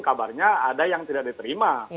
kabarnya ada yang tidak diterima